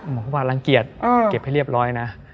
บอกเขาว่ารังเกียจเก็บให้เรียบร้อยนะ